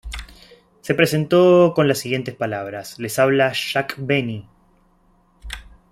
Se presentó con las siguientes palabras: "Les habla Jack Benny.